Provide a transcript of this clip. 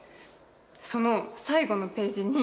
その最後のページに。